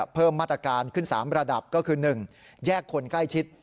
เพิ่มมาตรการขึ้น๓ระดับก็คือ๑แยกคนใกล้ชิด